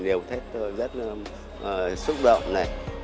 đều thấy tôi rất xúc động